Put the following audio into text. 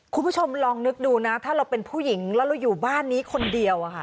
คุณผู้ชมลองนึกดูนะถ้าเราเป็นผู้หญิงแล้วเราอยู่บ้านนี้คนเดียวอะค่ะ